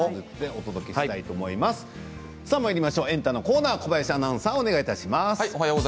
エンタのコーナー小林アナウンサーです。